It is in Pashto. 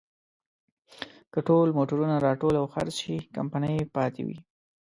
که ټول موټرونه راټول او خرڅ شي، کمپنۍ پاتې وي.